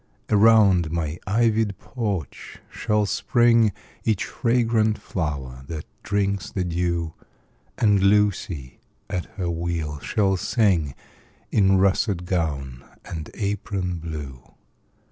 Around my ivy'd porch shall spring Each fragrant flower that drinks the dew; And Lucy, at her wheel, shall sing In russet gown and apron blue.